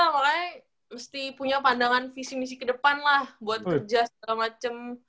awalnya mesti punya pandangan visi misi ke depan lah buat kerja segala macem